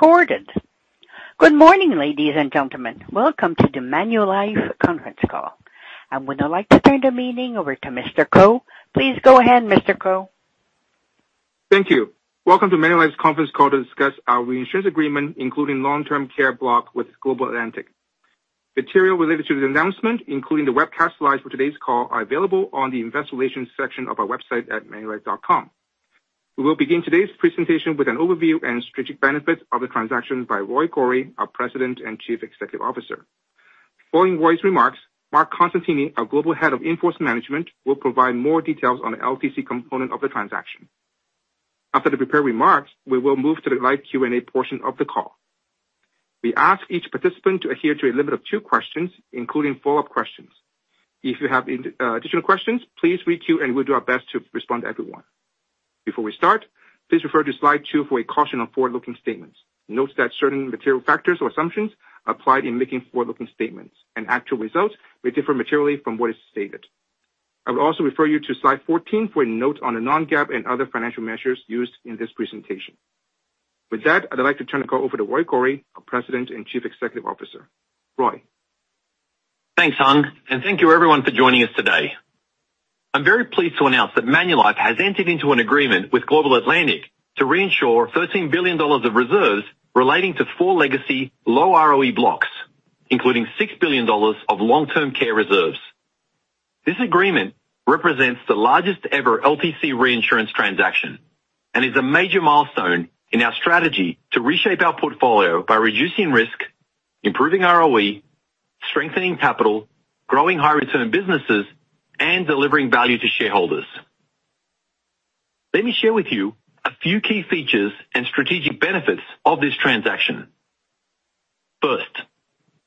Recorded. Good morning, ladies and gentlemen. Welcome to the Manulife conference call. I would now like to turn the meeting over to Mr. Ko. Please go ahead, Mr. Ko. Thank you. Welcome to Manulife's conference call to discuss our reinsurance agreement, including long-term care block with Global Atlantic. Material related to the announcement, including the webcast Slides for today's call, are available on the Investor Relations section of our website at manulife.com. We will begin today's presentation with an overview and strategic benefits of the transaction by Roy Gori, our President and Chief Executive Officer. Following Roy's remarks, Marc Costantini, our Global Head of Inforce Management, will provide more details on the LTC component of the transaction. After the prepared remarks, we will move to the live Q&A portion of the call. We ask each participant to adhere to a limit of two questions, including follow-up questions. If you have additional questions, please reach out and we'll do our best to respond to everyone. Before we start, please refer to Slide 2 for a caution on forward-looking statements. Note that certain material factors or assumptions are applied in making forward-looking statements, and actual results may differ materially from what is stated. I will also refer you to Slide 14 for a note on the non-GAAP and other financial measures used in this presentation. With that, I'd like to turn the call over to Roy Gori, our President and Chief Executive Officer. Roy. Thanks, Hung, and thank you, everyone, for joining us today. I'm very pleased to announce that Manulife has entered into an agreement with Global Atlantic to reinsure $13 billion of reserves relating to four legacy low ROE blocks, including $6 billion of long-term care reserves. This agreement represents the largest-ever LTC reinsurance transaction and is a major milestone in our strategy to reshape our portfolio by reducing risk, improving ROE, strengthening capital, growing high-return businesses, and delivering value to shareholders. Let me share with you a few key features and strategic benefits of this transaction. First,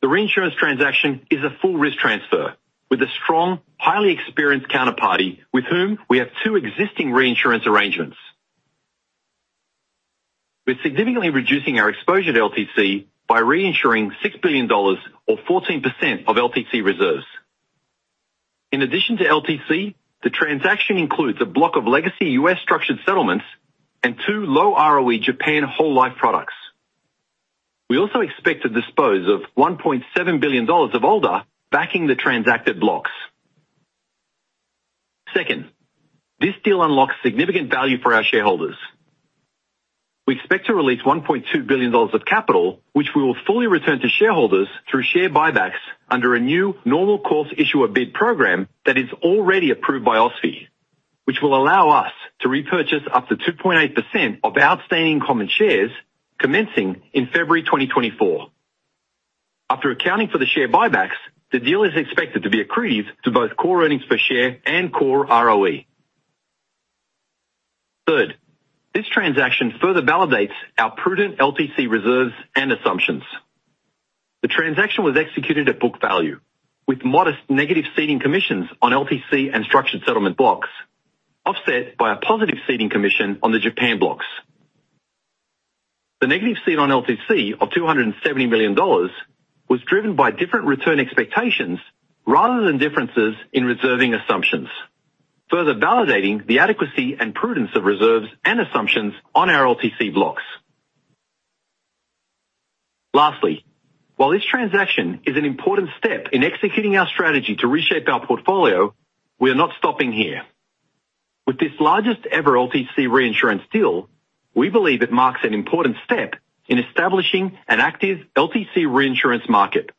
the reinsurance transaction is a full risk transfer with a strong, highly experienced counterparty with whom we have two existing reinsurance arrangements, with significantly reducing our exposure to LTC by reinsuring $6 billion, or 14% of LTC reserves. In addition to LTC, the transaction includes a block of legacy U.S. structured settlements and two low ROE Japan whole life products. We also expect to dispose of $1.7 billion of ALDA backing the transacted blocks. Second, this deal unlocks significant value for our shareholders. We expect to release 1.2 billion dollars of capital, which we will fully return to shareholders through share buybacks under a new normal course issuer bid program that is already approved by OSFI, which will allow us to repurchase up to 2.8% of outstanding common shares, commencing in February 2024. After accounting for the share buybacks, the deal is expected to be accretive to both core earnings per share and core ROE. Third, this transaction further validates our prudent LTC reserves and assumptions. The transaction was executed at book value, with modest negative ceding commissions on LTC and structured settlement blocks, offset by a positive ceding commission on the Japan blocks. The negative cede on LTC of $270 million was driven by different return expectations rather than differences in reserving assumptions, further validating the adequacy and prudence of reserves and assumptions on our LTC blocks. Lastly, while this transaction is an important step in executing our strategy to reshape our portfolio, we are not stopping here. With this largest-ever LTC reinsurance deal, we believe it marks an important step in establishing an active LTC reinsurance market.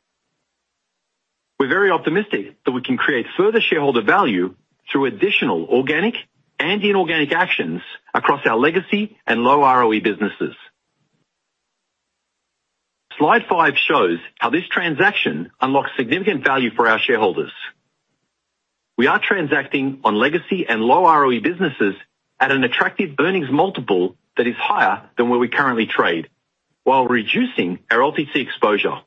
We're very optimistic that we can create further shareholder value through additional organic and inorganic actions across our legacy and low ROE businesses. Slide 5 shows how this transaction unlocks significant value for our shareholders. We are transacting on legacy and low ROE businesses at an attractive earnings multiple that is higher than where we currently trade, while reducing our LTC exposure.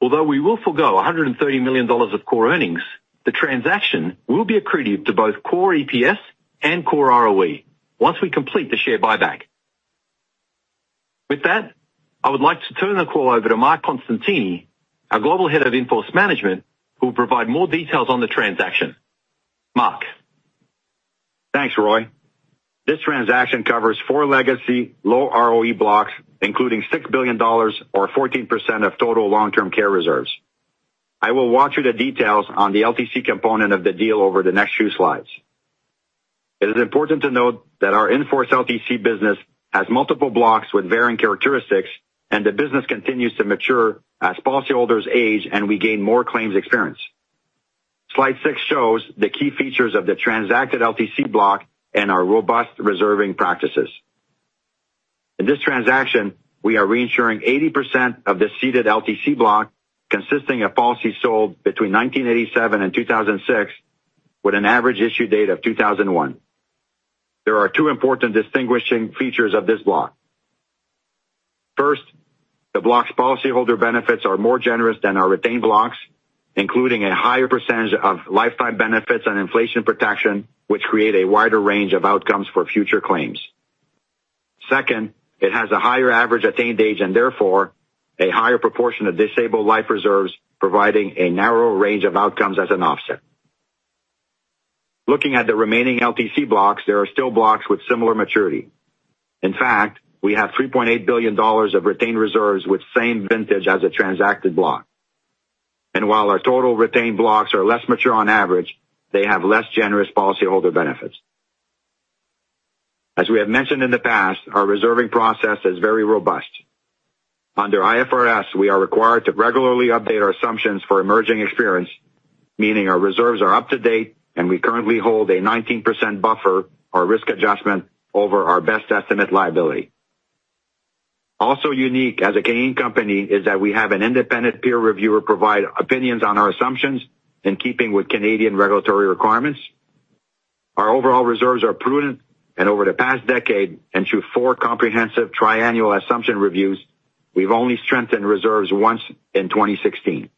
Although we will forgo $130 million of core earnings, the transaction will be accretive to both core EPS and core ROE once we complete the share buyback. With that, I would like to turn the call over to Marc Costantini, our Global Head of Inforce Management, who will provide more details on the transaction. Marc. Thanks, Roy. This transaction covers four legacy low ROE blocks, including $6 billion, or 14% of total long-term care reserves. I will walk through the details on the LTC component of the deal over the next few slides. It is important to note that our Inforce LTC business has multiple blocks with varying characteristics, and the business continues to mature as policyholders age and we gain more claims experience. Slide 6 shows the key features of the transacted LTC block and our robust reserving practices. In this transaction, we are reinsuring 80% of the seeded LTC block consisting of policies sold between 1987 and 2006, with an average issue date of 2001. There are two important distinguishing features of this block. First, the block's policyholder benefits are more generous than our retained blocks, including a higher percentage of lifetime benefits and inflation protection, which create a wider range of outcomes for future claims. Second, it has a higher average attained age and therefore a higher proportion of disabled life reserves, providing a narrower range of outcomes as an offset. Looking at the remaining LTC blocks, there are still blocks with similar maturity. In fact, we have $3.8 billion of retained reserves with the same vintage as the transacted block. While our total retained blocks are less mature on average, they have less generous policyholder benefits. As we have mentioned in the past, our reserving process is very robust. Under IFRS, we are required to regularly update our assumptions for emerging experience, meaning our reserves are up to date and we currently hold a 19% buffer, our risk adjustment, over our best estimate liability. Also unique as a Canadian company is that we have an independent peer reviewer provide opinions on our assumptions in keeping with Canadian regulatory requirements. Our overall reserves are prudent, and over the past decade, and through four comprehensive triennial assumption reviews, we have only strengthened reserves once in 2016.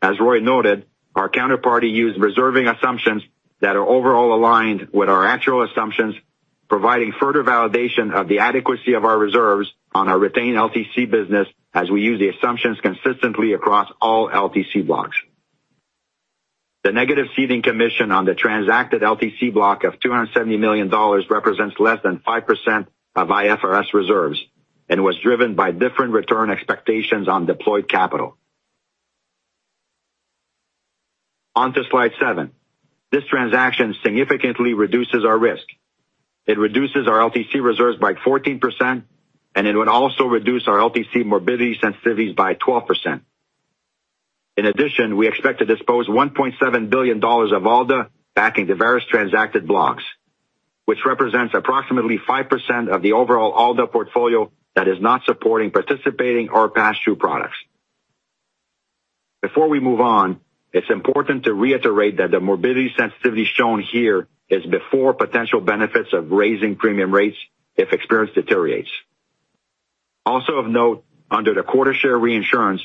As Roy noted, our counterparty used reserving assumptions that are overall aligned with our actual assumptions, providing further validation of the adequacy of our reserves on our retained LTC business as we use the assumptions consistently across all LTC blocks. The negative ceding commission on the transacted LTC block of $270 million represents less than 5% of IFRS reserves and was driven by different return expectations on deployed capital. Onto Slide 7. This transaction significantly reduces our risk. It reduces our LTC reserves by 14%, and it would also reduce our LTC morbidity sensitivities by 12%. In addition, we expect to dispose $1.7 billion of ALDA backing the various transacted blocks, which represents approximately 5% of the overall ALDA portfolio that is not supporting participating or past-issued products. Before we move on, it's important to reiterate that the morbidity sensitivity shown here is before potential benefits of raising premium rates if experience deteriorates. Also of note, under the quota share reinsurance,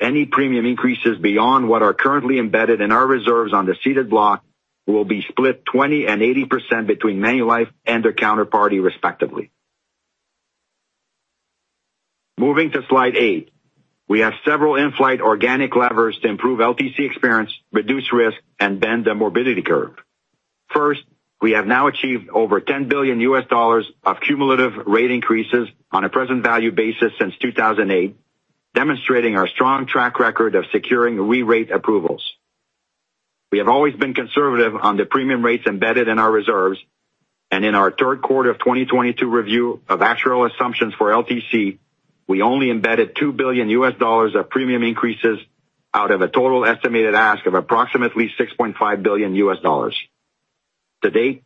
any premium increases beyond what are currently embedded in our reserves on the ceded block will be split 20% and 80% between Manulife and their counterparty, respectively. Moving to Slide 8, we have several in-flight organic levers to improve LTC experience, reduce risk, and bend the morbidity curve. First, we have now achieved over $10 billion of cumulative rate increases on a present value basis since 2008, demonstrating our strong track record of securing re-rate approvals. We have always been conservative on the premium rates embedded in our reserves, and in our third quarter of 2022 review of actual assumptions for LTC, we only embedded $2 billion of premium increases out of a total estimated ask of approximately $6.5 billion. To date,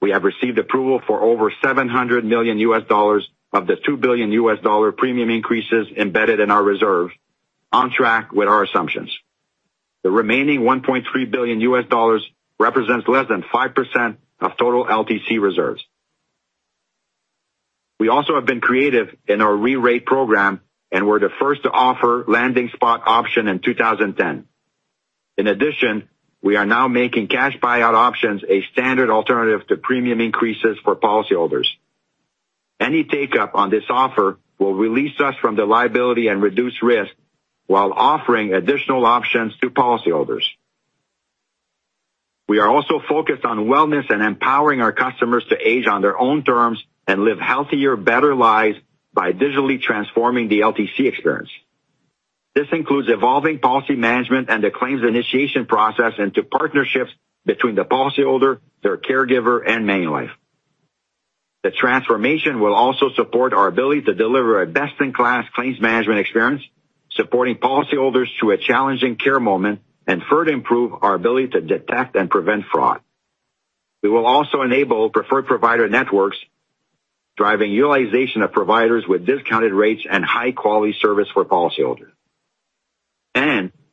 we have received approval for over $700 million of the $2 billion premium increases embedded in our reserve, on track with our assumptions. The remaining $1.3 billion represents less than 5% of total LTC reserves. We also have been creative in our re-rate program and were the first to offer landing spot option in 2010. In addition, we are now making cash buyout options a standard alternative to premium increases for policyholders. Any take-up on this offer will release us from the liability and reduce risk while offering additional options to policyholders. We are also focused on wellness and empowering our customers to age on their own terms and live healthier, better lives by digitally transforming the LTC experience. This includes evolving policy management and the claims initiation process into partnerships between the policyholder, their caregiver, and Manulife. The transformation will also support our ability to deliver a best-in-class claims management experience, supporting policyholders through a challenging care moment and further improve our ability to detect and prevent fraud. We will also enable preferred provider networks, driving utilization of providers with discounted rates and high-quality service for policyholders.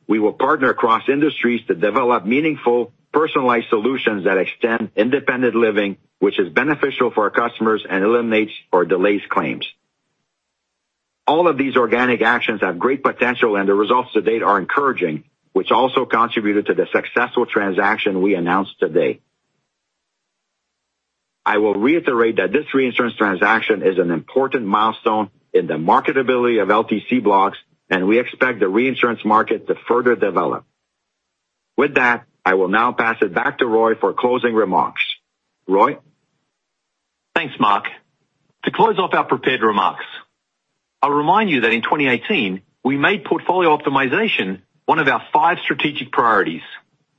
We will partner across industries to develop meaningful, personalized solutions that extend independent living, which is beneficial for our customers and eliminates or delays claims. All of these organic actions have great potential, and the results to date are encouraging, which also contributed to the successful transaction we announced today. I will reiterate that this reinsurance transaction is an important milestone in the marketability of LTC blocks, and we expect the reinsurance market to further develop. With that, I will now pass it back to Roy for closing remarks. Roy. Thanks, Marc. To close off our prepared remarks, I'll remind you that in 2018, we made portfolio optimization one of our five strategic priorities,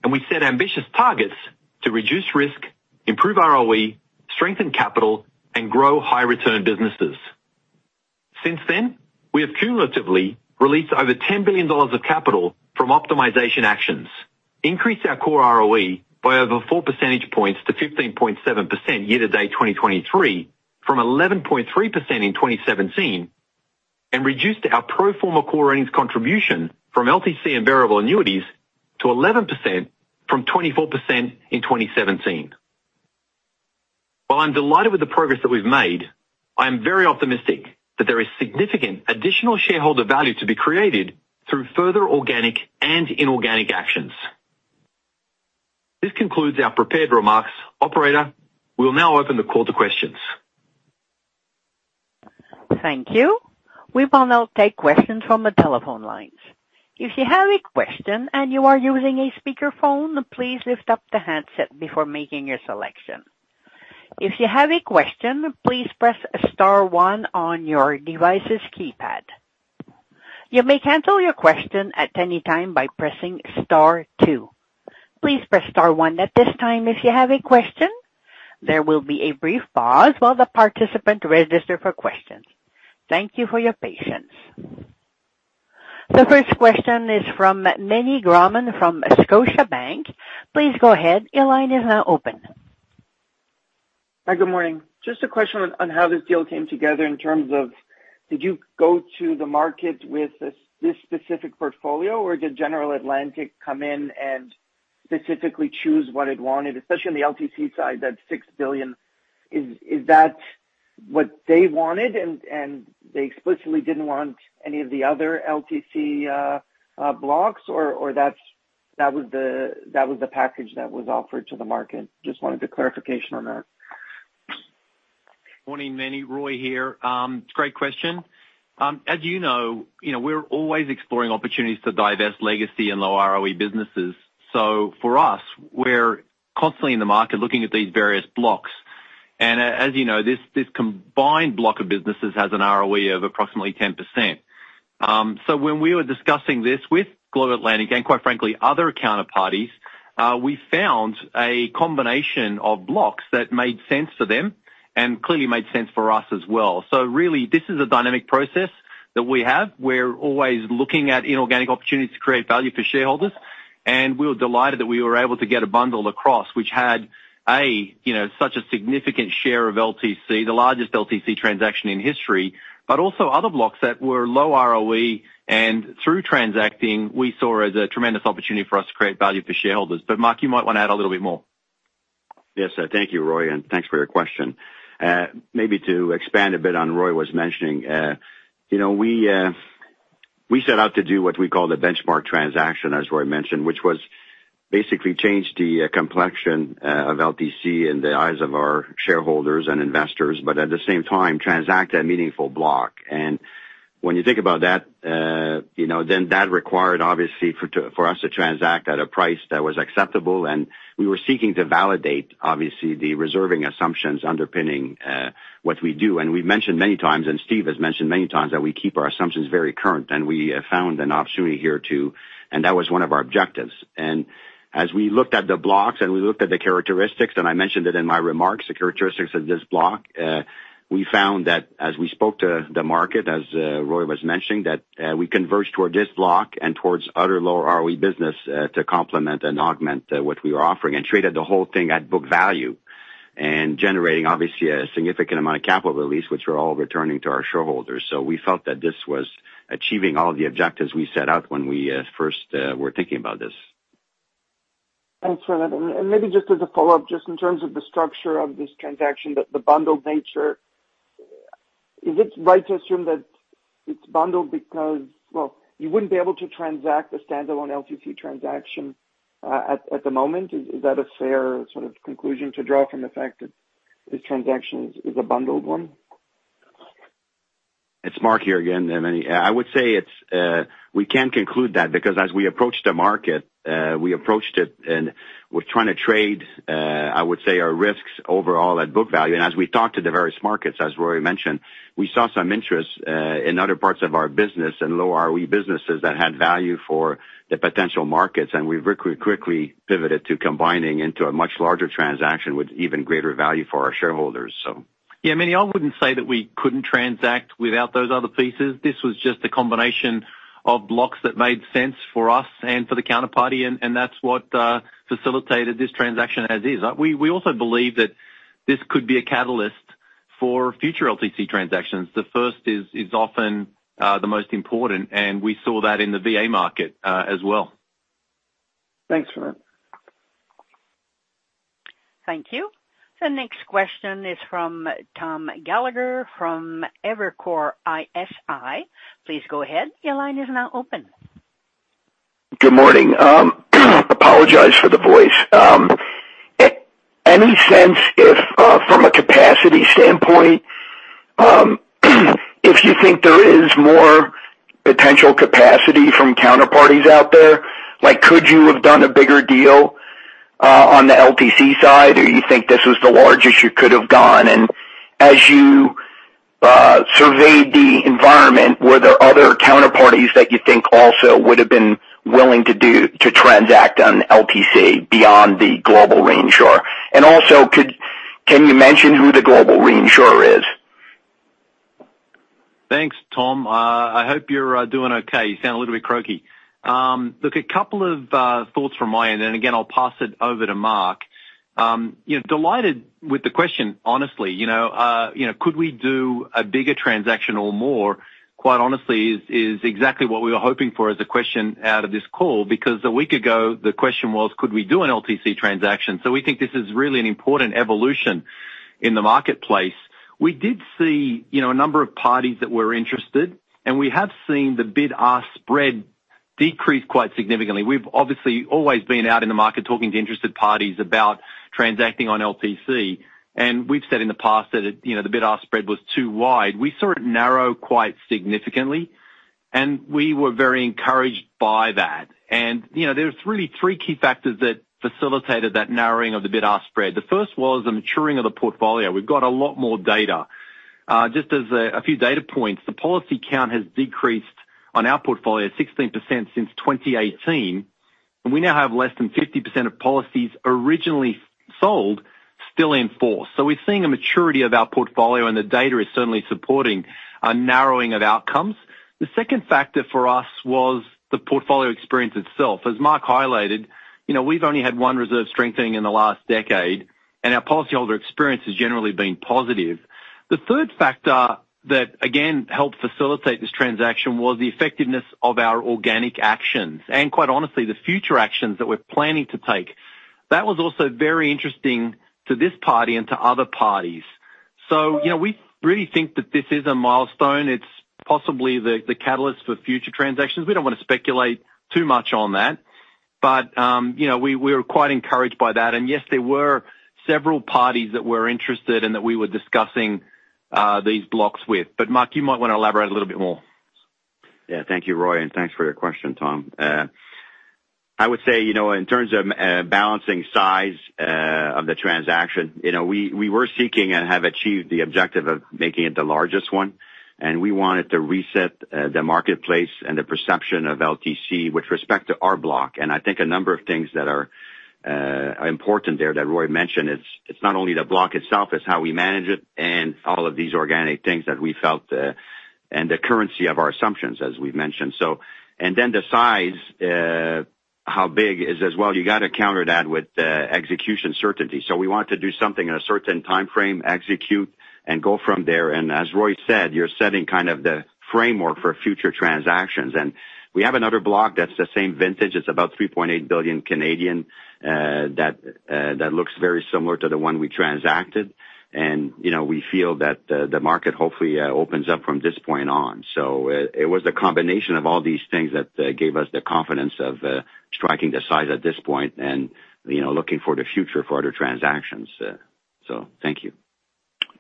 and we set ambitious targets to reduce risk, improve ROE, strengthen capital, and grow high-return businesses. Since then, we have cumulatively released over 10 billion dollars of capital from optimization actions, increased our core ROE by over 4%-15.7% year-to-date 2023 from 11.3% in 2017, and reduced our pro forma core earnings contribution from LTC and variable annuities to 11% from 24% in 2017. While I'm delighted with the progress that we've made, I am very optimistic that there is significant additional shareholder value to be created through further organic and inorganic actions. This concludes our prepared remarks. Operator, we'll now open the call to questions. Thank you. We will now take questions from the telephone lines. If you have a question and you are using a speakerphone, please lift up the handset before making your selection. If you have a question, please press Star 1 on your device's keypad. You may cancel your question at any time by pressing Star 2. Please press Star 1 at this time if you have a question. There will be a brief pause while the participant registers for questions. Thank you for your patience. The first question is from Meny Grauman from Scotiabank. Please go ahead. Your line is now open. Hi, good morning. Just a question on how this deal came together in terms of, did you go to the market with this specific portfolio, or did Global Atlantic come in and specifically choose what it wanted? Especially on the LTC side, that $6 billion, is that what they wanted and they explicitly did not want any of the other LTC blocks, or that was the package that was offered to the market? Just wanted a clarification on that. Morning, Meny. Roy here. It's a great question. As you know, we're always exploring opportunities to divest legacy and low ROE businesses. For us, we're constantly in the market looking at these various blocks. As you know, this combined block of businesses has an ROE of approximately 10%. When we were discussing this with Global Atlantic and, quite frankly, other counterparties, we found a combination of blocks that made sense for them and clearly made sense for us as well. This is a dynamic process that we have. We're always looking at inorganic opportunities to create value for shareholders. We were delighted that we were able to get a bundle across, which had such a significant share of LTC, the largest LTC transaction in history, but also other blocks that were low ROE and through transacting, we saw as a tremendous opportunity for us to create value for shareholders. Marc, you might want to add a little bit more. Yes, thank you, Roy, and thanks for your question. Maybe to expand a bit on what Roy was mentioning, we set out to do what we call the benchmark transaction, as Roy mentioned, which was basically to change the complexion of LTC in the eyes of our shareholders and investors, but at the same time, transact a meaningful block. When you think about that, that required, obviously, for us to transact at a price that was acceptable. We were seeking to validate, obviously, the reserving assumptions underpinning what we do. We have mentioned many times, and Steve has mentioned many times, that we keep our assumptions very current. We found an opportunity here to, and that was one of our objectives. As we looked at the blocks and we looked at the characteristics, and I mentioned it in my remarks, the characteristics of this block, we found that as we spoke to the market, as Roy was mentioning, that we converged towards this block and towards other lower ROE business to complement and augment what we were offering and traded the whole thing at book value and generating, obviously, a significant amount of capital release, which we are all returning to our shareholders. We felt that this was achieving all of the objectives we set out when we first were thinking about this. Thanks for that. Maybe just as a follow-up, just in terms of the structure of this transaction, the bundled nature, is it right to assume that it's bundled because, well, you wouldn't be able to transact a standalone LTC transaction at the moment? Is that a fair sort of conclusion to draw from the fact that this transaction is a bundled one? It's Marc here again. I would say we can conclude that because as we approached the market, we approached it and we're trying to trade, I would say, our risks overall at book value. As we talked to the various markets, as Roy mentioned, we saw some interest in other parts of our business and low ROE businesses that had value for the potential markets. We quickly pivoted to combining into a much larger transaction with even greater value for our shareholders. Yeah, Meny, I wouldn't say that we couldn't transact without those other pieces. This was just a combination of blocks that made sense for us and for the counterparty. That is what facilitated this transaction as is. We also believe that this could be a catalyst for future LTC transactions. The first is often the most important. We saw that in the VA market as well. Thanks for that. Thank you. The next question is from Tom Gallagher from Evercore ISI. Please go ahead. Your line is now open. Good morning. Apologize for the voice. Do you think there is more potential capacity from counterparties out there? Could you have done a bigger deal on the LTC side? Do you think this is the largest you could have done? As you surveyed the environment, were there other counterparties that you think also would have been willing to transact on LTC beyond the global reinsurer? Also, can you mention who the global reinsurer is? Thanks, Tom. I hope you're doing okay. You sound a little bit croaky. Look, a couple of thoughts from my end, and again, I'll pass it over to Marc. Delighted with the question, honestly. Could we do a bigger transaction or more, quite honestly, is exactly what we were hoping for as a question out of this call because a week ago, the question was, could we do an LTC transaction? We think this is really an important evolution in the marketplace. We did see a number of parties that were interested, and we have seen the bid-ask spread decrease quite significantly. We've obviously always been out in the market talking to interested parties about transacting on LTC. We've said in the past that the bid-ask spread was too wide. We saw it narrow quite significantly, and we were very encouraged by that. There were really three key factors that facilitated that narrowing of the bid-ask spread. The first was the maturing of the portfolio. We have a lot more data. Just as a few data points, the policy count has decreased on our portfolio 16% since 2018. We now have less than 50% of policies originally sold still in force. We are seeing a maturity of our portfolio, and the data is certainly supporting a narrowing of outcomes. The second factor for us was the portfolio experience itself. As Marc highlighted, we have only had one reserve strengthening in the last decade, and our policyholder experience has generally been positive. The third factor that, again, helped facilitate this transaction was the effectiveness of our organic actions and, quite honestly, the future actions that we are planning to take. That was also very interesting to this party and to other parties. We really think that this is a milestone. It's possibly the catalyst for future transactions. We do not want to speculate too much on that, but we were quite encouraged by that. Yes, there were several parties that were interested and that we were discussing these blocks with. Marc, you might want to elaborate a little bit more. Yeah, thank you, Roy, and thanks for your question, Tom. I would say in terms of balancing size of the transaction, we were seeking and have achieved the objective of making it the largest one. We wanted to reset the marketplace and the perception of LTC with respect to our block. I think a number of things that are important there that Roy mentioned, it's not only the block itself, it's how we manage it and all of these organic things that we felt and the currency of our assumptions, as we've mentioned. The size, how big is as well. You got to counter that with execution certainty. We want to do something in a certain timeframe, execute, and go from there. As Roy said, you're setting kind of the framework for future transactions. We have another block that's the same vintage. is about 3.8 billion that looks very similar to the one we transacted. We feel that the market hopefully opens up from this point on. It was the combination of all these things that gave us the confidence of striking the size at this point and looking for the future for other transactions. Thank you.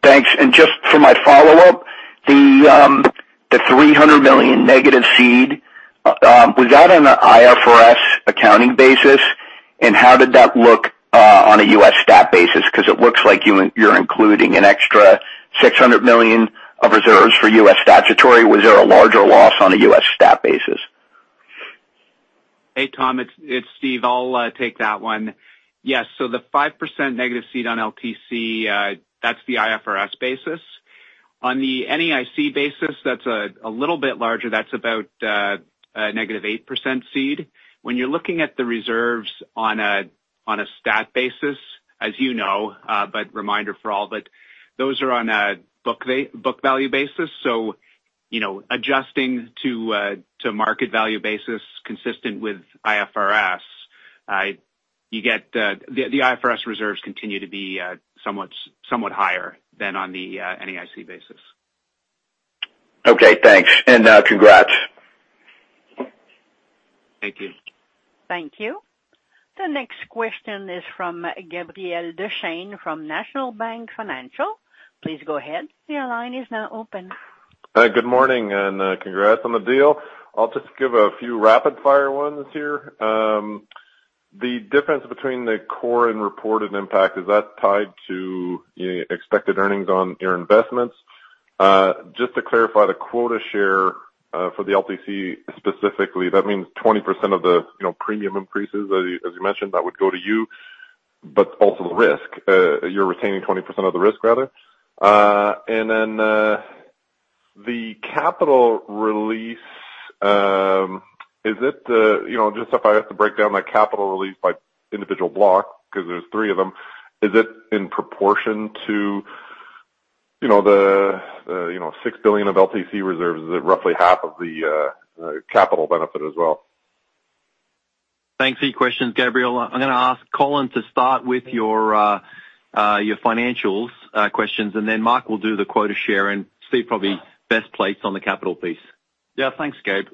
Thanks. Just for my follow-up, the $300 million negative seed, was that on an IFRS accounting basis? How did that look on a U.S. Stat basis? Because it looks like you're including an extra $600 million of reserves for U.S. statutory. Was there a larger loss on a U.S. Stat basis? Hey, Tom, it's Steve. I'll take that one. Yes, so the 5% negative ced on LTC, that's the IFRS basis. On the NAIC basis, that's a little bit larger. That's about a -8% seed. When you're looking at the reserves on a Stat basis, as you know, but reminder for all, those are on a book value basis. Adjusting to market value basis consistent with IFRS, the IFRS reserves continue to be somewhat higher than on the NAIC basis. Okay, thanks. Congrats. Thank you. Thank you. The next question is from Gabriel Dechaine from National Bank Financial. Please go ahead. Your line is now open. Good morning and congrats on the deal. I'll just give a few rapid-fire ones here. The difference between the core and reported impact, is that tied to expected earnings on your investments? Just to clarify, the quota share for the LTC specifically, that means 20% of the premium increases, as you mentioned, that would go to you, but also risk. You're retaining 20% of the risk, rather. The capital release, is it just if I have to break down that capital release by individual block, because there's three of them, is it in proportion to the $6 billion of LTC reserves? Is it roughly half of the capital benefit as well? Thanks for your questions, Gabriel. I'm going to ask Colin to start with your financials questions, then Marc will do the quota share. Steve probably best plays on the capital piece. Yeah, thanks, Gabe.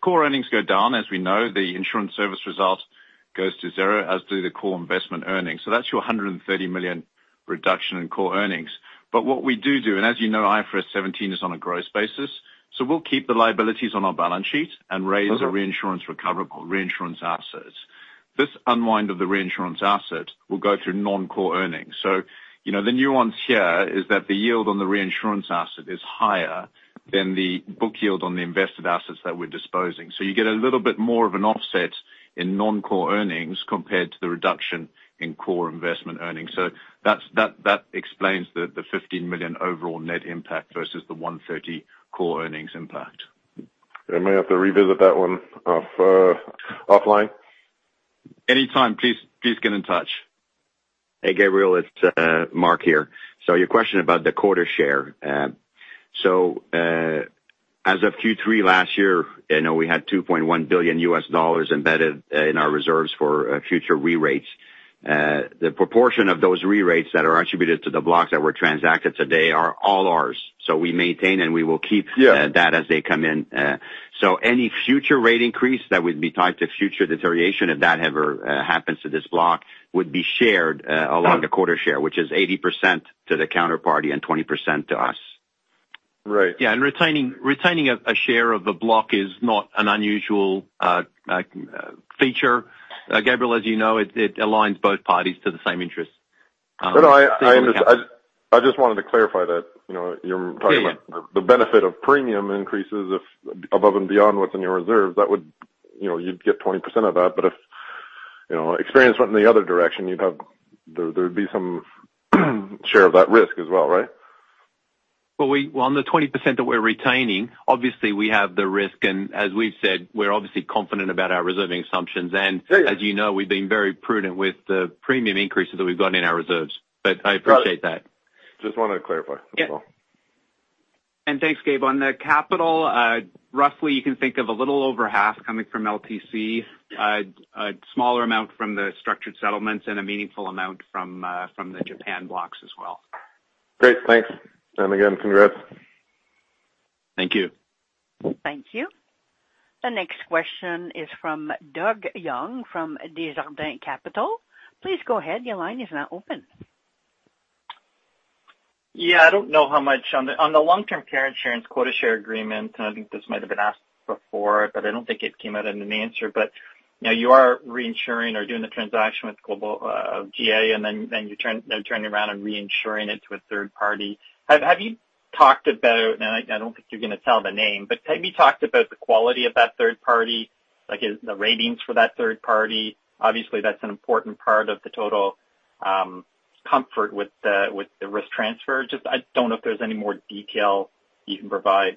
Core earnings go down. As we know, the insurance service result goes to zero, as do the core investment earnings. That is your $130 million reduction in core earnings. What we do do, and as you know, IFRS 17 is on a gross basis. We will keep the liabilities on our balance sheet and raise the reinsurance recoverable reinsurance assets. This unwind of the reinsurance asset will go through non-core earnings. The nuance here is that the yield on the reinsurance asset is higher than the book yield on the invested assets that we are disposing. You get a little bit more of an offset in non-core earnings compared to the reduction in core investment earnings. That explains the $15 million overall net impact versus the $130 million core earnings impact. I may have to revisit that one offline. Anytime, please get in touch. Hey, Gabriel, it's Marc here. Your question about the quota share. As of Q3 last year, we had $2.1 billion embedded in our reserves for future re-rates. The proportion of those re-rates that are attributed to the blocks that were transacted today are all ours. We maintain and we will keep that as they come in. Any future rate increase that would be tied to future deterioration, if that ever happens to this block, would be shared along the quota share, which is 80% to the counterparty and 20% to us. Right. Yeah, and retaining a share of the block is not an unusual feature. Gabriel, as you know, it aligns both parties to the same interest. I just wanted to clarify that you're talking about the benefit of premium increases above and beyond what's in your reserves. You'd get 20% of that. If experience went in the other direction, there would be some share of that risk as well, right? On the 20% that we're retaining, obviously, we have the risk. And as we've said, we're obviously confident about our reserving assumptions. And as you know, we've been very prudent with the premium increases that we've gotten in our reserves. I appreciate that. Just wanted to clarify. Thanks, Gabe. On the capital, roughly, you can think of a little over half coming from LTC, a smaller amount from the structured settlements, and a meaningful amount from the Japan blocks as well. Great. Thanks. Again, congrats. Thank you. Thank you. The next question is from Doug Young from Desjardins Capital. Please go ahead. Your line is now open. Yeah, I don't know how much on the long-term care insurance quota share agreement. I think this might have been asked before, but I don't think it came out in an answer. Now you are reinsuring or doing the transaction with Global Atlantic, and then you're turning around and reinsuring it to a third party. Have you talked about, and I don't think you're going to tell the name, but have you talked about the quality of that third party, the ratings for that third party? Obviously, that's an important part of the total comfort with the risk transfer. I just don't know if there's any more detail you can provide.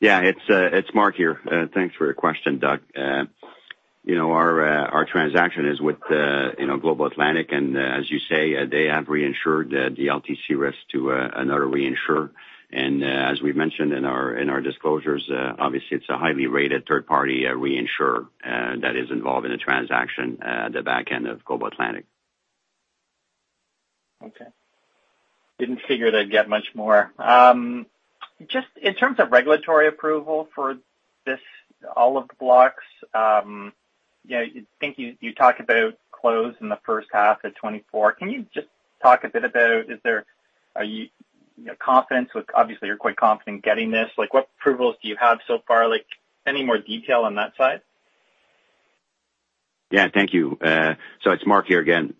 Yeah, it's Marc here. Thanks for your question, Doug. Our transaction is with Global Atlantic. As you say, they have reinsured the LTC risk to another reinsurer. As we've mentioned in our disclosures, obviously, it's a highly rated third-party reinsurer that is involved in the transaction at the back end of Global Atlantic. Okay. Didn't figure that yet much more. Just in terms of regulatory approval for all of the blocks, I think you talked about close in the first half of 2024. Can you just talk a bit about, is there confidence with, obviously, you're quite confident in getting this? What approvals do you have so far? Any more detail on that side? Yeah, thank you. It's Marc here again.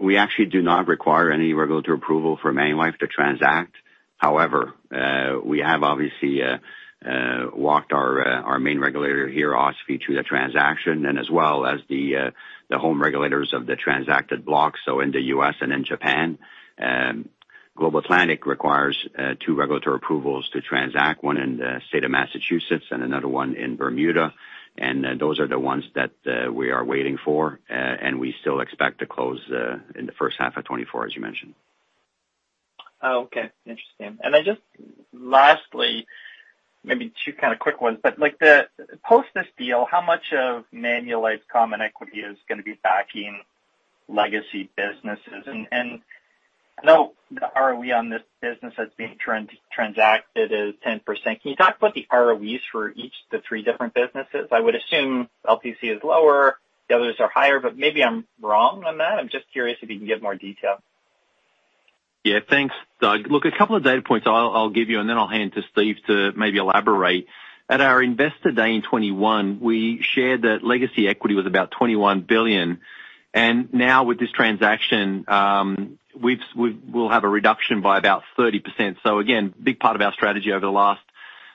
We actually do not require any regulatory approval from Manulife to transact. However, we have obviously walked our main regulator here, OSFI, through the transaction, as well as the home regulators of the transacted blocks. In the U.S. and in Japan, Global Atlantic requires two regulatory approvals to transact, one in the state of Massachusetts and another one in Bermuda. Those are the ones that we are waiting for, and we still expect to close in the first half of 2024, as you mentioned. Okay, interesting. Just lastly, maybe two kind of quick ones. Post this deal, how much of Manulife's common equity is going to be backing legacy businesses? I know the ROE on this business that's being transacted is 10%. Can you talk about the ROEs for each of the three different businesses? I would assume LTC is lower, the others are higher, but maybe I'm wrong on that. I'm just curious if you can give more detail. Yeah, thanks, Doug. Look, a couple of data points I'll give you, and then I'll hand to Steve to maybe elaborate. At our Investor Day in 2021, we shared that legacy equity was about $21 billion. Now with this transaction, we'll have a reduction by about 30%. A big part of our strategy over the last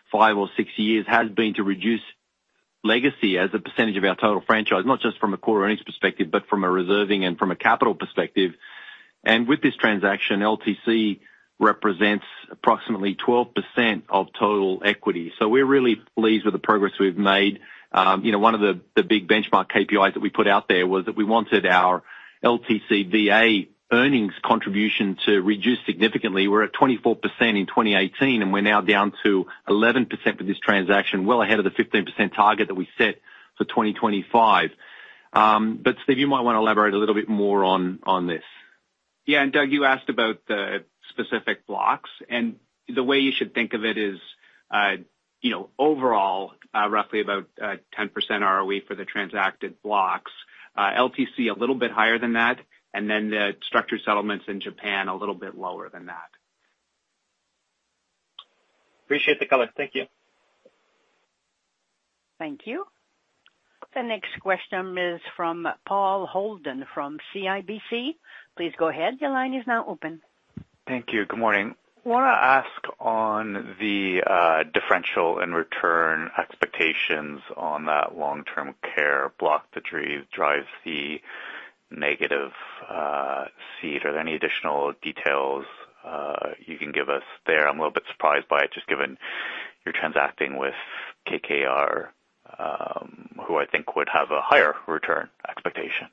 five or six years has been to reduce legacy as a percentage of our total franchise, not just from a core earnings perspective, but from a reserving and from a capital perspective. With this transaction, LTC represents approximately 12% of total equity. We're really pleased with the progress we've made. One of the big benchmark KPIs that we put out there was that we wanted our LTC VA earnings contribution to reduce significantly. We're at 24% in 2018, and we're now down to 11% with this transaction, well ahead of the 15% target that we set for 2025. Steve, you might want to elaborate a little bit more on this. Yeah. Doug, you asked about the specific blocks. The way you should think of it is overall, roughly about 10% ROE for the transacted blocks. LTC a little bit higher than that, and then the structured settlements in Japan a little bit lower than that. Appreciate the comment. Thank you. Thank you. The next question is from Paul Holden from CIBC. Please go ahead. Your line is now open. Thank you. Good morning. I want to ask on the differential in return expectations on that long-term care block that drives the negative seed. Are there any additional details you can give us there? I'm a little bit surprised by it, just given you're transacting with KKR, who I think would have a higher return expectation.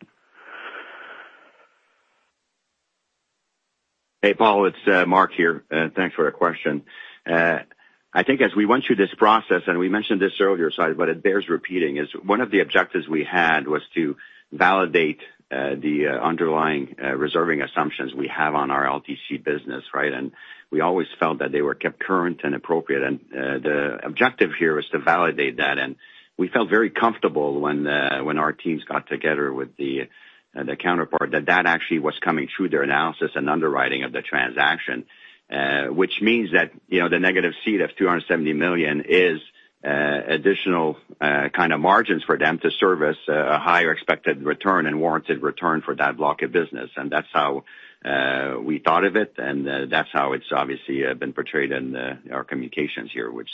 Hey, Paul, it's Marc here. Thanks for the question. I think as we went through this process, and we mentioned this earlier, but it bears repeating, one of the objectives we had was to validate the underlying reserving assumptions we have on our LTC business, right? We always felt that they were kept current and appropriate. The objective here was to validate that. We felt very comfortable when our teams got together with the counterpart that that actually was coming through their analysis and underwriting of the transaction, which means that the negative cede of $270 million is additional kind of margins for them to service a higher expected return and warranted return for that block of business. That's how we thought of it. That's how it's obviously been portrayed in our communications here, which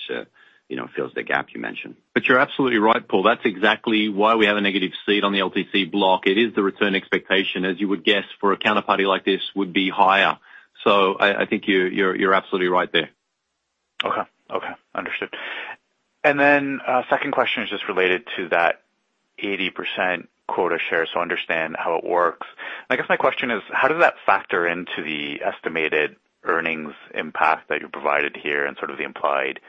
fills the gap you mentioned. You are absolutely right, Paul. That is exactly why we have a negative cede on the LTC block. It is the return expectation, as you would guess, for a counterparty like this would be higher. I think you are absolutely right there. Okay. Okay. Understood. The second question is just related to that 80% quota share. I understand how it works. I guess my question is, how does that factor into the estimated earnings impact that you provided here and sort of the implied PE?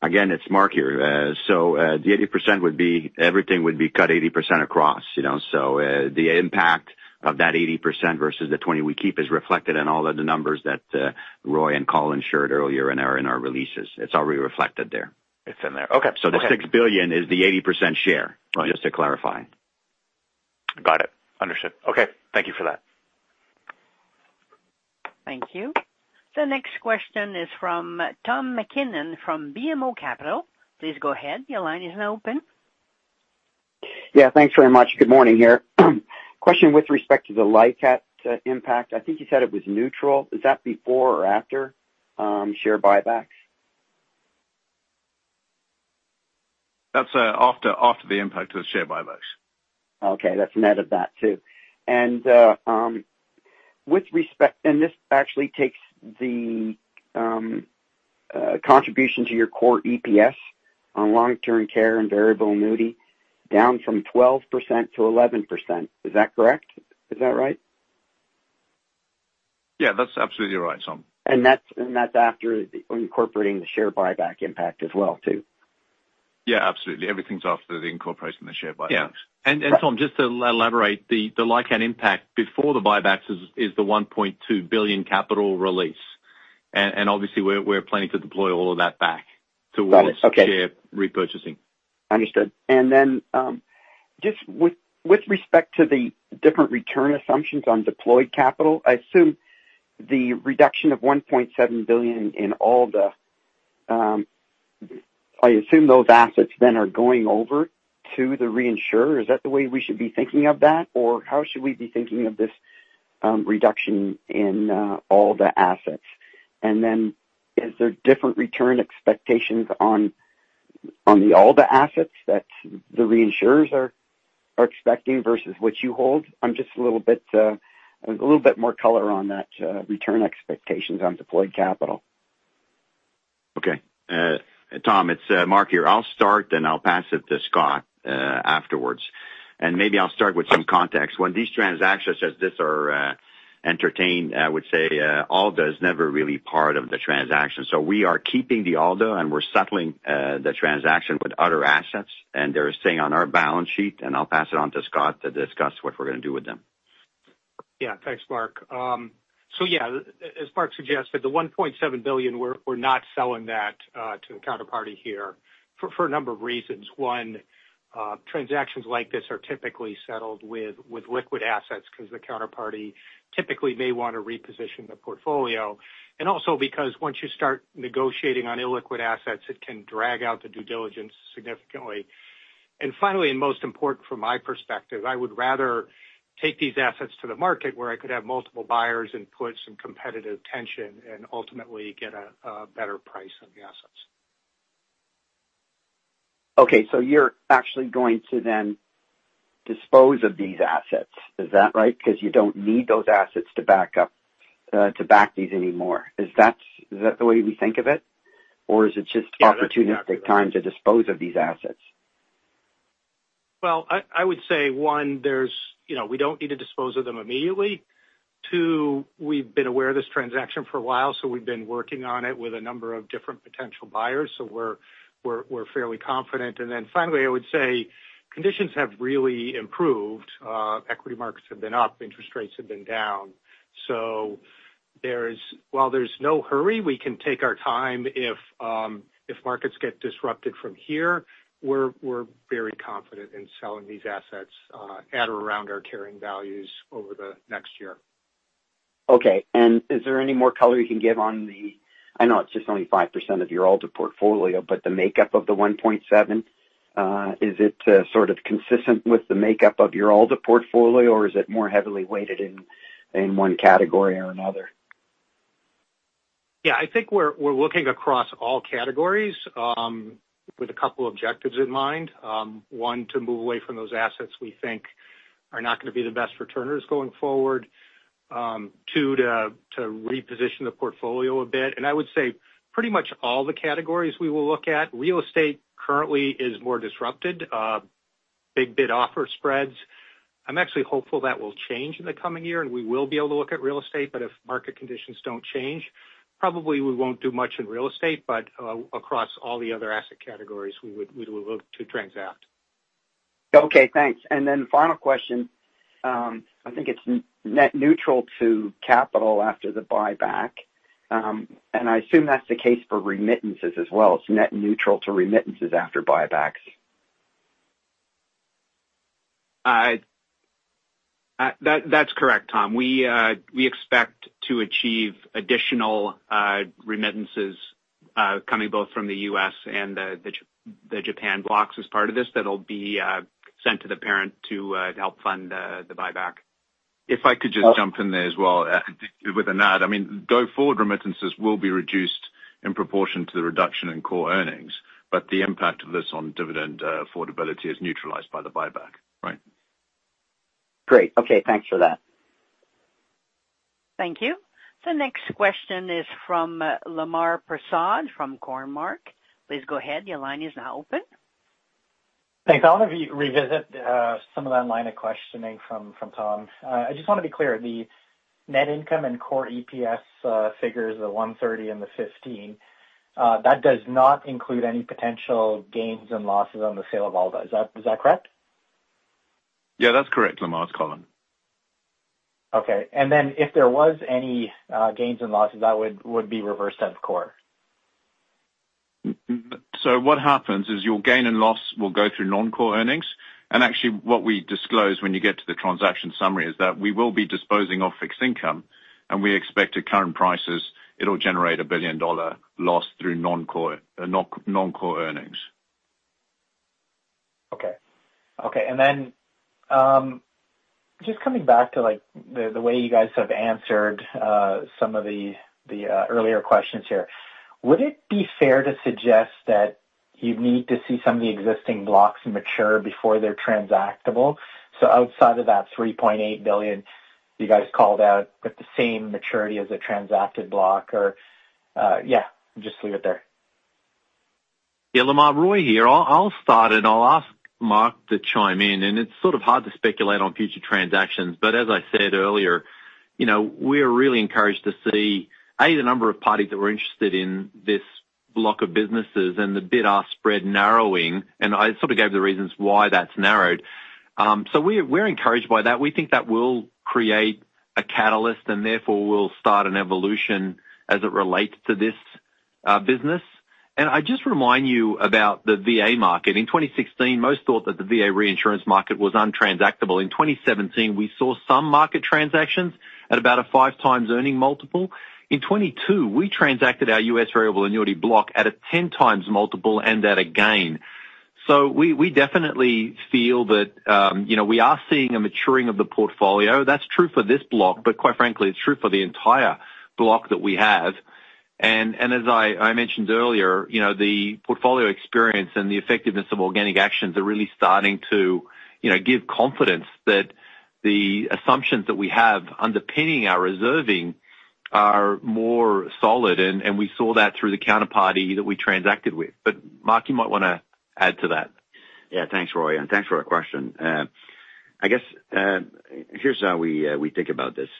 Again, it's Marc here. The 80% would be everything would be cut 80% across. The impact of that 80% versus the 20% we keep is reflected in all of the numbers that Roy and Colin shared earlier in our releases. It's already reflected there. It's in there. Okay. The $6 billion is the 80% share, just to clarify. Got it. Understood. Okay. Thank you for that. Thank you. The next question is from Tom MacKinnon from BMO Capital. Please go ahead. Your line is now open. Yeah, thanks very much. Good morning here. Question with respect to the LICAT impact. I think you said it was neutral. Is that before or after share buybacks? That's after the impact of the share buybacks. Okay. That's an added that too. And this actually takes the contribution to your core EPS on long-term care and variable annuity down from 12%-11%. Is that correct? Is that right? Yeah, that's absolutely right, Tom. That's after incorporating the share buyback impact as well too? Yeah, absolutely. Everything's after the incorporation of the share buyback. Yeah. Tom, just to elaborate, the LICAT impact before the buybacks is the 1.2 billion capital release. Obviously, we're planning to deploy all of that back towards share repurchasing. Understood. Just with respect to the different return assumptions on deployed capital, I assume the reduction of $1.7 billion in ALDA, I assume those assets then are going over to the reinsurer. Is that the way we should be thinking of that? How should we be thinking of this reduction in ALDA assets? Is there different return expectations on the ALDA assets that the reinsurers are expecting versus what you hold? I am just looking for a little bit more color on that return expectations on deployed capital. Okay. Tom, it's Marc here. I'll start, then I'll pass it to Scott afterwards. Maybe I'll start with some context. When these transactions, as this, are entertained, I would say ALDA was never really part of the transaction. We are keeping the ALDA, and we're settling the transaction with other assets. They're staying on our balance sheet. I'll pass it on to Scott to discuss what we're going to do with them. Yeah. Thanks, Marc. Yeah, as Marc suggested, the $1.7 billion, we're not selling that to the counterparty here for a number of reasons. One, transactions like this are typically settled with liquid assets because the counterparty typically may want to reposition the portfolio. Also because once you start negotiating on illiquid assets, it can drag out the due diligence significantly. Finally, and most important from my perspective, I would rather take these assets to the market where I could have multiple buyers and puts and competitive tension and ultimately get a better price on the assets. Okay. So you're actually going to then dispose of these assets. Is that right? Because you don't need those assets to back these anymore. Is that the way we think of it? Or is it just opportunistic time to dispose of these assets? I would say, one, we do not need to dispose of them immediately. Two, we have been aware of this transaction for a while, so we have been working on it with a number of different potential buyers. We are fairly confident. Finally, I would say conditions have really improved. Equity markets have been up. Interest rates have been down. While there is no hurry, we can take our time if markets get disrupted from here. We are very confident in selling these assets at or around our carrying values over the next year. Okay. Is there any more color you can give on the, I know it's just only 5% of your ALDA portfolio, but the makeup of the 1.7, is it sort of consistent with the makeup of your ALDA portfolio, or is it more heavily weighted in one category or another? Yeah, I think we're looking across all categories with a couple of objectives in mind. One, to move away from those assets we think are not going to be the best returners going forward. Two, to reposition the portfolio a bit. I would say pretty much all the categories we will look at. Real estate currently is more disrupted. Big bid-offer spreads. I'm actually hopeful that will change in the coming year, and we will be able to look at real estate. If market conditions don't change, probably we won't do much in real estate, but across all the other asset categories, we will look to transact. Okay. Thanks. Final question. I think it's net neutral to capital after the buyback. I assume that's the case for remittances as well. It's net neutral to remittances after buybacks. That's correct, Tom. We expect to achieve additional remittances coming both from the U.S. and the Japan blocks as part of this that will be sent to the parent to help fund the buyback. If I could just jump in there as well with a nod. I mean, going forward, remittances will be reduced in proportion to the reduction in core earnings. The impact of this on dividend affordability is neutralized by the buyback, right? Great. Okay. Thanks for that. Thank you. The next question is from Lemar Persaud from Cormark. Please go ahead. Your line is now open. Thanks. I want to revisit some of the line of questioning from Tom. I just want to be clear. The net income and core EPS figures, the 130 and the 15, that does not include any potential gains and losses on the sale of ALDA. Is that correct? Yeah, that's correct, Lemar's column. Okay. If there was any gains and losses, that would be reversed out of core. What happens is your gain and loss will go through non-core earnings. Actually, what we disclose when you get to the transaction summary is that we will be disposing of fixed income, and we expect at current prices, it will generate a $1 billion loss through non-core earnings. Okay. Okay. Just coming back to the way you guys have answered some of the earlier questions here, would it be fair to suggest that you need to see some of the existing blocks mature before they're transactable? Outside of that $3.8 billion you guys called out with the same maturity as a transacted block, or yeah, just leave it there. Yeah, Lemar, Roy Gori here. I'll start and I'll ask Marc to chime in. It's sort of hard to speculate on future transactions. As I said earlier, we are really encouraged to see a number of parties that were interested in this block of businesses and the bid-off spread narrowing. I sort of gave the reasons why that's narrowed. We are encouraged by that. We think that will create a catalyst, and therefore we'll start an evolution as it relates to this business. I just remind you about the VA market. In 2016, most thought that the VA reinsurance market was untransactable. In 2017, we saw some market transactions at about a five-times earning multiple. In 2022, we transacted our U.S. variable annuity block at a 10x multiple and at a gain. We definitely feel that we are seeing a maturing of the portfolio. That's true for this block, but quite frankly, it's true for the entire block that we have. As I mentioned earlier, the portfolio experience and the effectiveness of organic actions are really starting to give confidence that the assumptions that we have underpinning our reserving are more solid. We saw that through the counterparty that we transacted with. Marc, you might want to add to that. Yeah. Thanks, Roy. Thanks for the question. I guess here's how we think about this.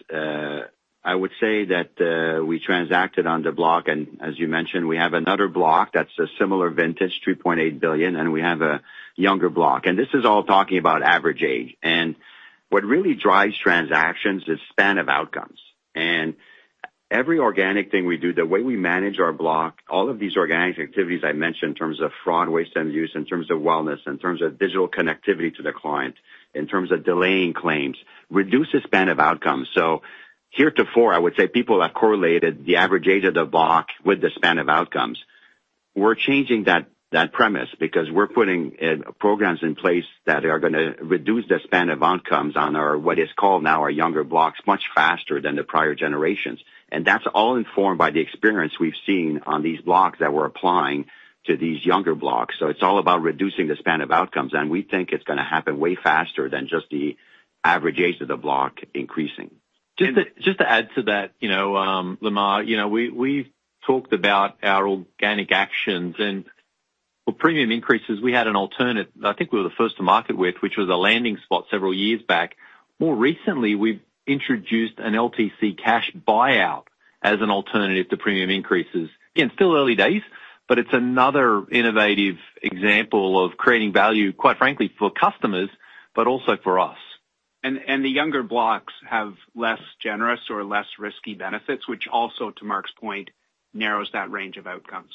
I would say that we transacted on the block. As you mentioned, we have another block that's a similar vintage, $3.8 billion, and we have a younger block. This is all talking about average age. What really drives transactions is the span of outcomes. Every organic thing we do, the way we manage our block, all of these organic activities I mentioned in terms of fraud, waste, and abuse, in terms of wellness, in terms of digital connectivity to the client, in terms of delaying claims, reduces span of outcomes. Heretofore, I would say people have correlated the average age of the block with the span of outcomes. We're changing that premise because we're putting programs in place that are going to reduce the span of outcomes on our what is called now our younger blocks much faster than the prior generations. It's all informed by the experience we've seen on these blocks that we're applying to these younger blocks. It's all about reducing the span of outcomes. We think it's going to happen way faster than just the average age of the block increasing. Just to add to that, Lamar, we've talked about our organic actions. For premium increases, we had an alternative. I think we were the first to market with, which was a landing spot several years back. More recently, we've introduced an LTC cash buyout as an alternative to premium increases. Again, still early days, but it's another innovative example of creating value, quite frankly, for customers, but also for us. The younger blocks have less generous or less risky benefits, which also, to Marc's point, narrows that range of outcomes.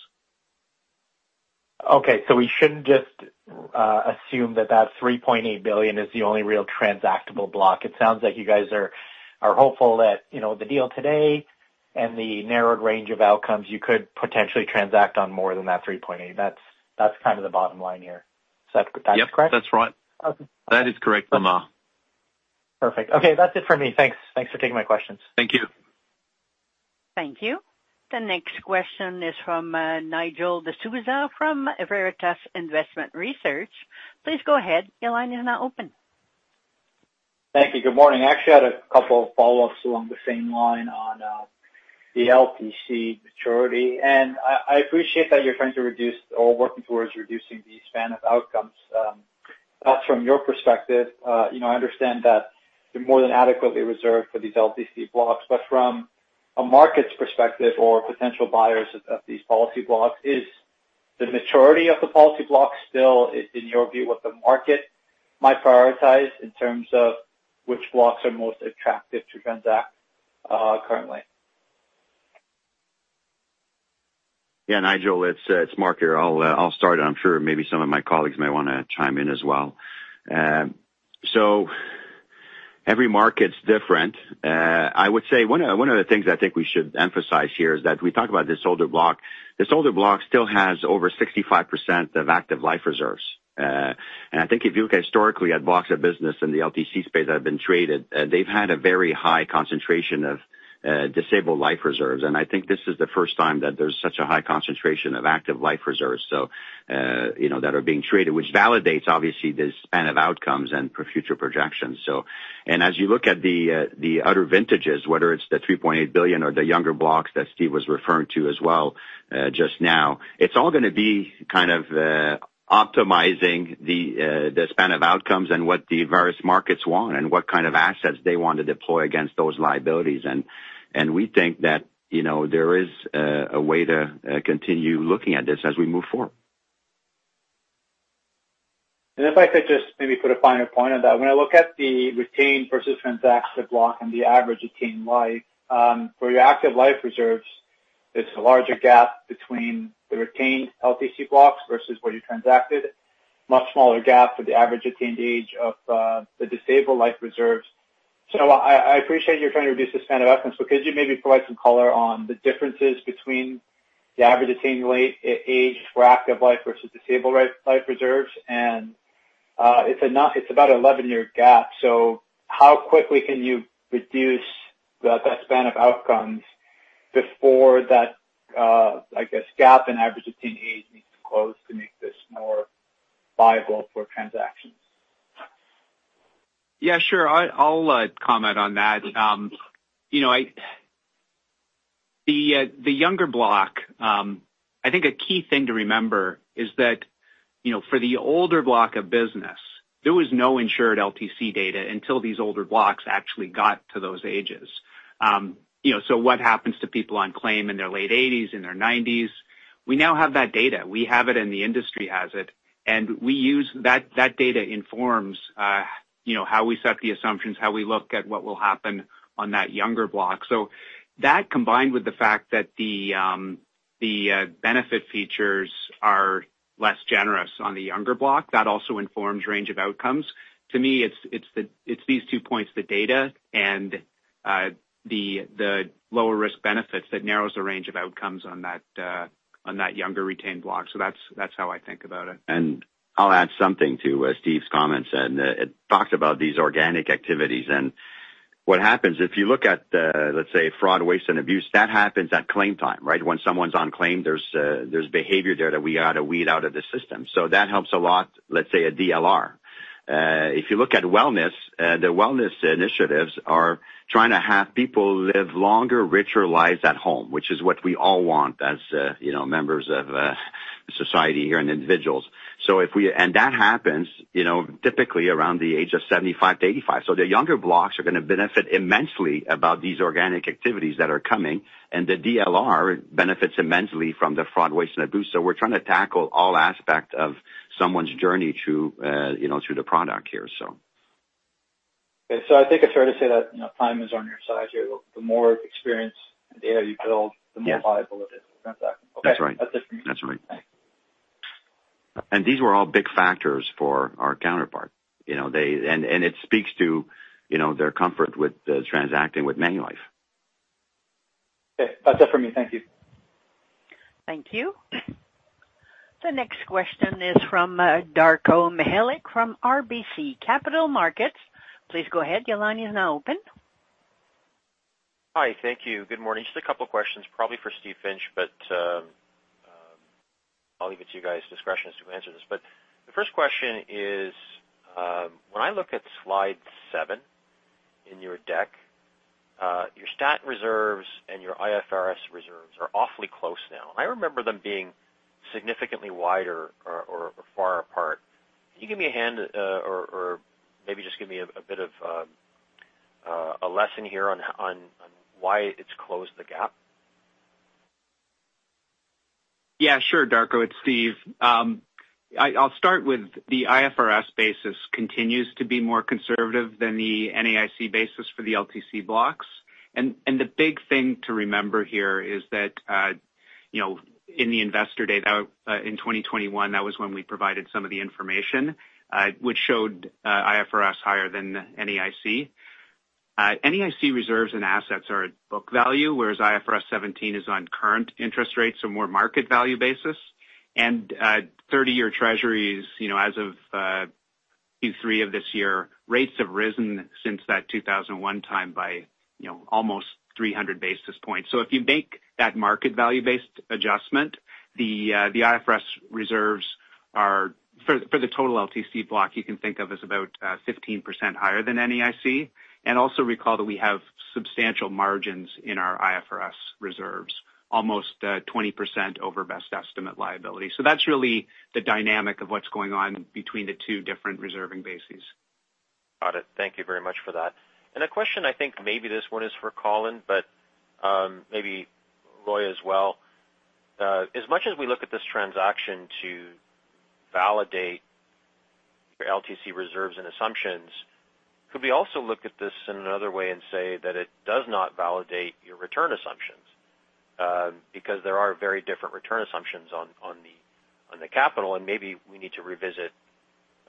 Okay. We shouldn't just assume that that $3.8 billion is the only real transactable block. It sounds like you guys are hopeful that the deal today and the narrowed range of outcomes, you could potentially transact on more than that $3.8 billion. That's kind of the bottom line here. Is that correct? Yep. That's right. That is correct, Lemar. Perfect. Okay. That's it for me. Thanks. Thanks for taking my questions. Thank you. Thank you. The next question is from Nigel D'Souza from Veritas Investment Research. Please go ahead. Your line is now open. Thank you. Good morning. Actually, I had a couple of follow-ups along the same line on the LTC maturity. I appreciate that you're trying to reduce or working towards reducing the span of outcomes. From your perspective, I understand that you're more than adequately reserved for these LTC blocks. From a market's perspective or potential buyers of these policy blocks, is the maturity of the policy blocks still, in your view, what the market might prioritize in terms of which blocks are most attractive to transact currently? Yeah. Nigel, it's Marc here. I'll start. I'm sure maybe some of my colleagues may want to chime in as well. Every market's different. I would say one of the things I think we should emphasize here is that we talk about this older block. This older block still has over 65% of active life reserves. I think if you look historically at blocks of business in the LTC space that have been traded, they've had a very high concentration of disabled life reserves. I think this is the first time that there's such a high concentration of active life reserves that are being traded, which validates, obviously, the span of outcomes and future projections. As you look at the other vintages, whether it's the $3.8 billion or the younger blocks that Steve was referring to as well just now, it's all going to be kind of optimizing the span of outcomes and what the various markets want and what kind of assets they want to deploy against those liabilities. We think that there is a way to continue looking at this as we move forward. If I could just maybe put a finer point on that, when I look at the retained versus transacted block and the average retained life, where your active life reserves, it is a larger gap between the retained LTC blocks versus where you transacted, much smaller gap for the average retained age of the disabled life reserves. I appreciate you're trying to reduce the span of outcomes. Could you maybe provide some color on the differences between the average retained age for active life versus disabled life reserves? It is about an 11-year gap. How quickly can you reduce that span of outcomes before that gap in average retained age needs to close to make this more viable for transactions? Yeah, sure. I'll comment on that. The younger block, I think a key thing to remember is that for the older block of business, there was no insured LTC data until these older blocks actually got to those ages. What happens to people on claim in their late 80s, in their 90s? We now have that data. We have it and the industry has it. We use that data, informs how we set the assumptions, how we look at what will happen on that younger block. That combined with the fact that the benefit features are less generous on the younger block, that also informs range of outcomes. To me, it's these two points, the data and the lower risk benefits, that narrows the range of outcomes on that younger retained block. That's how I think about it. I'll add something to Steve's comments. It talks about these organic activities. What happens if you look at the, let's say, fraud, waste, and abuse that happens at claim time, right? When someone's on claim, there's behavior there that we got to weed out of the system. That helps a lot, let's say, at DLR. If you look at wellness, the wellness initiatives are trying to have people live longer, richer lives at home, which is what we all want as members of society here and individuals. That happens typically around the age of 75-85. The younger blocks are going to benefit immensely from these organic activities that are coming. The DLR benefits immensely from the fraud, waste, and abuse. We're trying to tackle all aspects of someone's journey through the product here. I think it's fair to say that time is on your side here. The more experience and data you build, the more viable it is. Okay. That's right. That's right. These were all big factors for our counterparty. It speaks to their comfort with transacting with Manulife. Okay. That's it for me. Thank you. Thank you. The next question is from Darko Mihelic from RBC Capital Markets. Please go ahead. Your line is now open. Hi. Thank you. Good morning. Just a couple of questions, probably for Steve Finch, but I'll leave it to you guys' discretion to answer this. The first question is, when I look at Slide seven in your deck, your stat reserves and your IFRS reserves are awfully close now. I remember them being significantly wider or far apart. Can you give me a hand or maybe just give me a bit of a lesson here on why it's closed the gap? Yeah, sure, Darko. It's Steve. I'll start with the IFRS basis continues to be more conservative than the NAIC basis for the LTC blocks. The big thing to remember here is that in the Investor Day in 2021, that was when we provided some of the information, which showed IFRS higher than NAIC. NAIC reserves and assets are at book value, whereas IFRS 17 is on current interest rates, so more market value basis. Thirty-year Treasuries, as of Q3 of this year, rates have risen since that 2001 time by almost 300 basis points. If you make that market value-based adjustment, the IFRS reserves for the total LTC block you can think of as about 15% higher than NAIC. Also recall that we have substantial margins in our IFRS reserves, almost 20% over best estimate liability. That's really the dynamic of what's going on between the two different reserving bases. Got it. Thank you very much for that. A question, I think maybe this one is for Colin, but maybe Roy as well. As much as we look at this transaction to validate your LTC reserves and assumptions, could we also look at this in another way and say that it does not validate your return assumptions? Because there are very different return assumptions on the capital, and maybe we need to revisit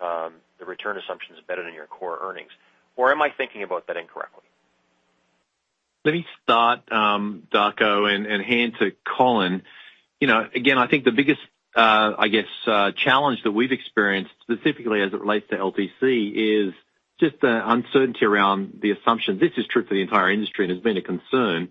the return assumptions better than your core earnings. Or am I thinking about that incorrectly? Let me start, Darko, and hand to Colin. Again, I think the biggest, I guess, challenge that we've experienced, specifically as it relates to LTC, is just the uncertainty around the assumption. This is true for the entire industry and has been a concern.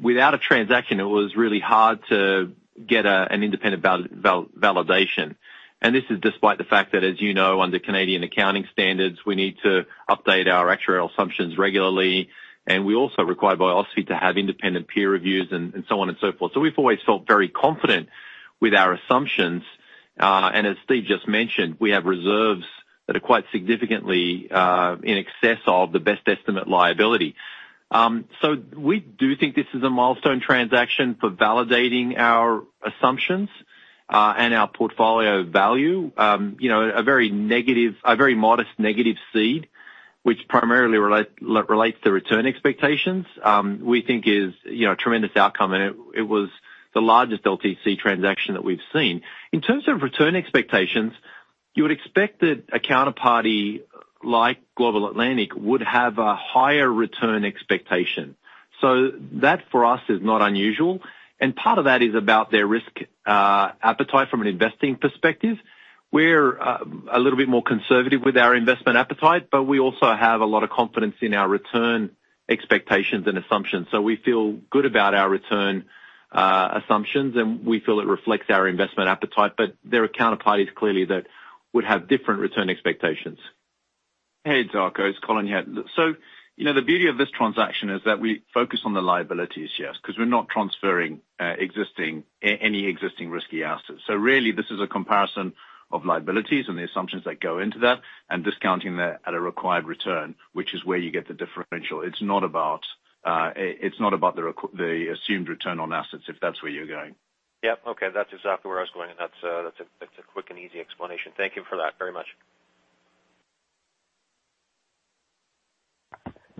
Without a transaction, it was really hard to get an independent validation. This is despite the fact that, as you know, under Canadian accounting standards, we need to update our actuarial assumptions regularly. We're also required by OSFI to have independent peer reviews and so on and so forth. We've always felt very confident with our assumptions. As Steve just mentioned, we have reserves that are quite significantly in excess of the best estimate liability. We do think this is a milestone transaction for validating our assumptions and our portfolio value. A very modest negative seed, which primarily relates to return expectations, we think is a tremendous outcome. It was the largest LTC transaction that we've seen. In terms of return expectations, you would expect that a counterparty like Global Atlantic would have a higher return expectation. That for us is not unusual. Part of that is about their risk appetite from an investing perspective. We're a little bit more conservative with our investment appetite, but we also have a lot of confidence in our return expectations and assumptions. We feel good about our return assumptions, and we feel it reflects our investment appetite. There are counterparties clearly that would have different return expectations. Hey, Darko. It's Colin here. The beauty of this transaction is that we focus on the liabilities, yes, because we're not transferring any existing risky assets. Really, this is a comparison of liabilities and the assumptions that go into that and discounting that at a required return, which is where you get the differential. It's not about the assumed return on assets if that's where you're going. Yep. Okay. That is exactly where I was going. That is a quick and easy explanation. Thank you for that very much.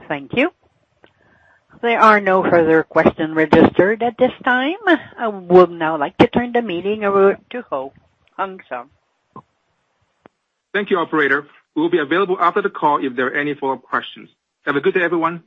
Thank you. There are no further questions registered at this time. I would now like to turn the meeting over to Hung. Thank you, Operator. We will be available after the call if there are any follow-up questions. Have a good day, everyone.